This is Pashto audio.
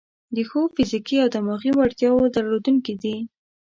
د ښو فزیکي او دماغي وړتیاوو درلودونکي دي.